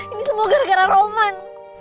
ini semua gara gara roman